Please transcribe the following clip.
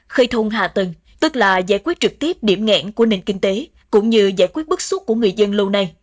khơi thông hạ tầng tức là giải quyết trực tiếp điểm nghẽn của nền kinh tế cũng như giải quyết bức xúc của người dân lâu nay